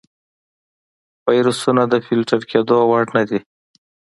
ویروسونه د فلتر کېدو وړ نه دي.